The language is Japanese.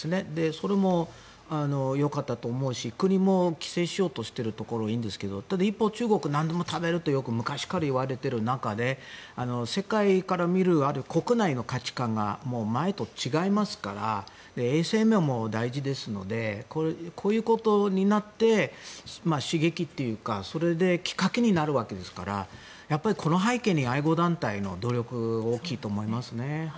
それもよかったと思うし国も規制しようとしているのはいいんですけどただ一方中国はなんでも食べると昔から言われている中で世界から見る国内の価値観が前と違いますから衛生面も大事ですのでこういうことになって刺激っていうか、それできっかけになるわけですからやはりこの背景に愛護団体の努力は大きいと思いますね。